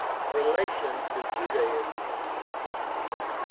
Relation to Judaism.